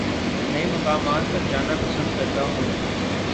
نئے مقامات پر جانا پسند کرتا ہوں